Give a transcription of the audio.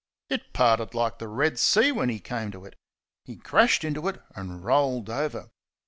It parted like the Red Sea when he came to it he crashed into it and rolled over.